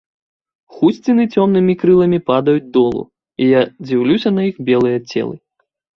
Хусціны цёмнымі крыламі ападаюць долу, і я дзіўлюся на іх белыя целы.